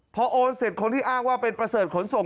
พอโอนเสร็จคนที่อ้างว่าเป็นประเสริฐขนส่ง